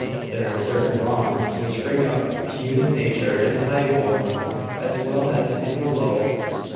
There are certain wrongs which bring out human nature in the high born, as well as in the low.